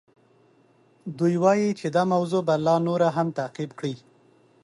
دوی وایي چې دا موضوع به لا نوره هم تعقیب کړي.